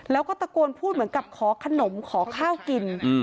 แล้วก็ตะโกนพูดเหมือนกับขอขนมขอข้าวกิน